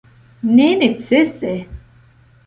Ne necese.